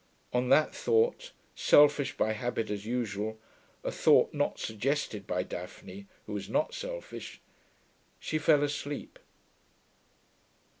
On that thought, selfish by habit as usual, a thought not suggested by Daphne, who was not selfish, she fell asleep.